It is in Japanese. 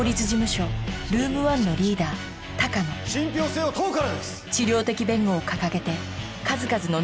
信ぴょう性を問うからです！